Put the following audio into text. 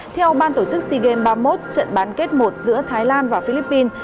theo ban tổ chức sea games ba mươi một trận bán kết một giữa thái lan và philippines